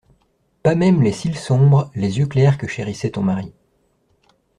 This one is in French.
Pas même les cils sombres, les yeux clairs que chérissait ton mari.